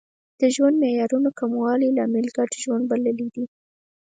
د ژوند معیارونو کموالی لامل ګډ ژوند بللی دی